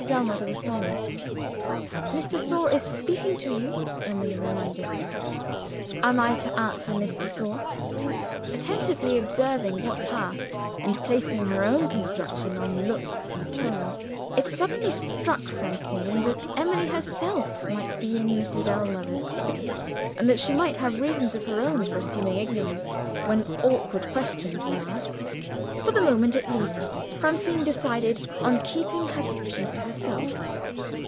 Ellmother was silent. "Miss de Sor is speaking to you," Emily reminded her. "Am I to answer Miss de Sor?" Attentively observing what passed, and placing her own construction on looks and tones, it suddenly struck Francine that Emily herself might be in Mrs. Ellmother's confidence, and that she might have reasons of her own for assuming ignorance when awkward questions were asked. For the moment at least, Francine decided on keeping her suspicions to herself.